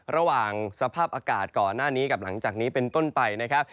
ระหว่างสภาพอากาศก่อนหน้านี้กับหลังจากนี้เป็นต้นไปนะครับ